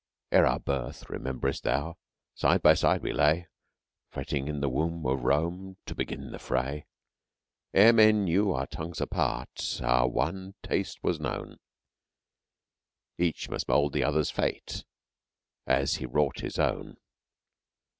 _ Ere our birth (rememberest thou?) side by side we lay Fretting in the womb of Rome to begin the fray. Ere men knew our tongues apart, our one taste was known Each must mould the other's fate as he wrought his own.